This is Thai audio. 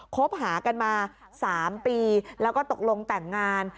คบหากันมา๓ปีแล้วก็ตกลงแต่งงาน